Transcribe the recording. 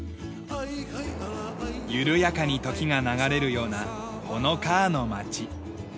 緩やかに時が流れるようなホノカアの町。